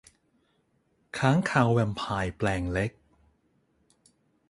ค้างคาวแวมไพร์แปลงเล็ก